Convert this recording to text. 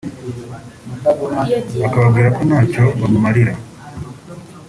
bakababwira ko ntacyo bamumarira